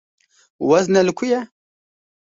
Wezne li ku ye?